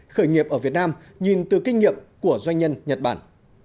khởi nghiệp ở việt nam nhìn từ kinh nghiệm của doanh nhân nhật bản